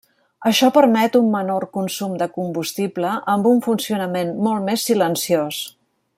Això permet un menor consum de combustible, amb un funcionament molt més silenciós.